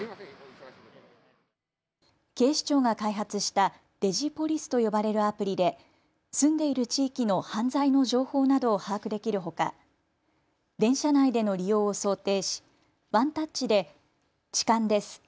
警視庁が開発したＤｉｇｉＰｏｌｉｃｅと呼ばれるアプリで住んでいる地域の犯罪の情報などを把握できるほか電車内での利用を想定しワンタッチで痴漢です